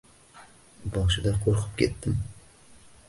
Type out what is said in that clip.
Boshida qo`rqib ketdim